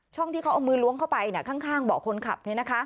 ที่เขาเอามือล้วงเข้าไปข้างเบาะคนขับ